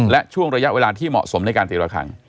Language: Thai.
และช่วงระยะเวลาที่เหมาะสมในการตีละครั้ง